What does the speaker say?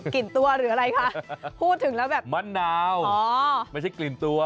ตัวหรืออะไรคะพูดถึงแล้วแบบมะนาวไม่ใช่กลิ่นตัว